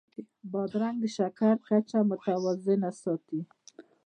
بادرنګ د شکر کچه متوازنه ساتي.